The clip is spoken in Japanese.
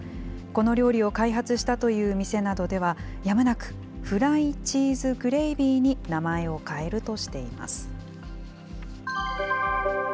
この料理を開発したという店などでは、やむなく、フライ・チーズ・グレイビーに名前を変えるとしています。